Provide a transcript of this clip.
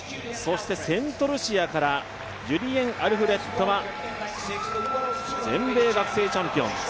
セントルシアからジュリエン・アルフレッドは全米学生チャンピオン。